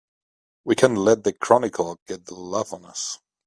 We can't let the Chronicle get the laugh on us!